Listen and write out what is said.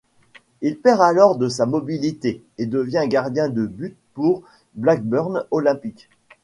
Il perd alors de sa mobilité et devient gardien de but pour Blackburn Olympic.